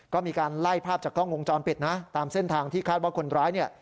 ก็มีการไล่ภาพจากกล้องวงจรปิดนะตามเส้นทางที่คาดว่าคนร้ายเนี่ย